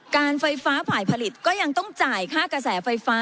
การไฟฟ้าฝ่ายผลิตก็ยังต้องจ่ายค่ากระแสไฟฟ้า